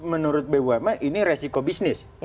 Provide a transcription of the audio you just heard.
menurut bumn ini resiko bisnis